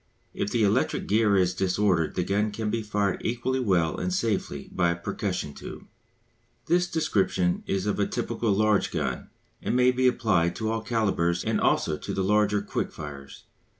If the electric gear is disordered the gun can be fired equally well and safely by a percussion tube. This description is of a typical large gun, and may be applied to all calibres and also to the larger quick firers.